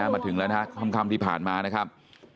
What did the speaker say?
มาถึงแล้วนะครับค่ำที่ผ่านมานะครับ